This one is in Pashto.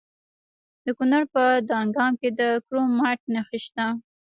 د کونړ په دانګام کې د کرومایټ نښې شته.